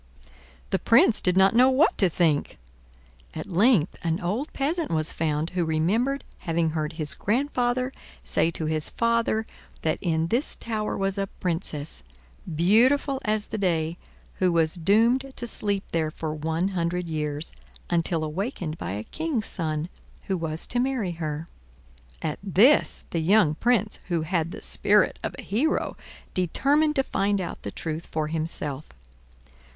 The Prince did not know what to think. At length an old peasant was found who remembered having heard his grandfather say to his father that in this tower was a Princess, beautiful as the day, who was doomed to sleep there for one hundred years, until awakened by a king's son, who was to marry her. At this the young Prince, who had the spirit of a hero, determined to find out the truth for himself.